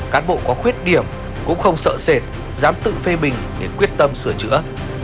cán bộ có khuyết điểm cũng không sợ sệt dám tự phê bình để quyết tâm sửa chữa